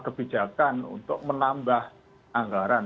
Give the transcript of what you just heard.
kebijakan untuk menambah anggaran